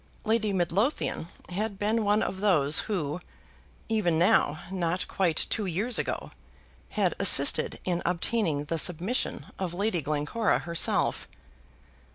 Lady Midlothian had been one of those who, even now not quite two years ago, had assisted in obtaining the submission of Lady Glencora herself.